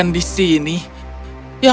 kenapa tidak sudah gampang